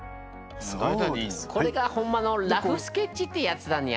これがホンマのラフスケッチってやつだにゃ。